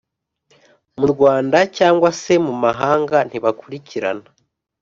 mu Rwanda cyangwa se mu mahanga ntibakurikirana